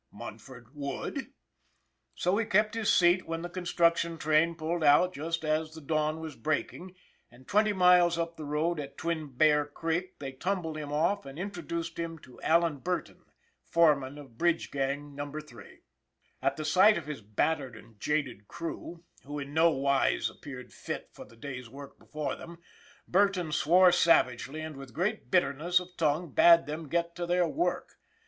Munford would. So he kept his seat when the construction train pulled out just as the dawn was breaking, and twenty miles up the road at Twin Bear Creek they tumbled him off and introduced him to Alan Burton, foreman of Bridge Gang No. 3. At the sight of his battered and jaded crew, who in no wise appeared fit for the day's work before them, Durton swore savagely and with great bitterness of tongue bade them get to their work.